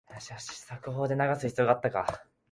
速報で流す必要あったか